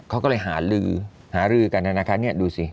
เขาก็เลยหาลือหารือกันนะคะเนี่ยดูสิ